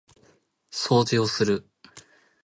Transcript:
掃除をする